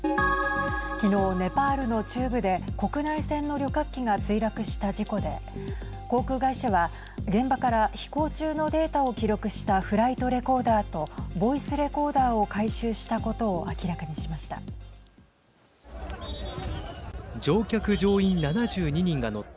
昨日ネパールの中部で国内線の旅客機が墜落した事故で航空会社は現場から飛行中のデータを記録したフライトレコーダーとボイスレコーダーを回収したことを明らかにしました。